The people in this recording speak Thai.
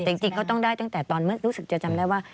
แต่จริงก็ต้องได้ตั้งแต่ตอนเมื่อรู้สึกจะจำได้ว่า